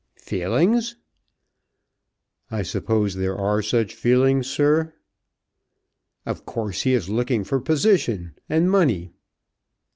"Feelings!" "I suppose there are such feelings, sir?" "Of course he is looking for position and money."